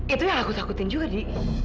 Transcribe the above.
itu yang aku takutin juga di